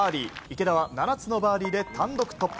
池田は７つのバーディーで単独トップ。